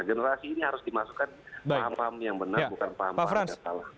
generasi ini harus dimasukkan paham paham yang benar bukan paham paham yang salah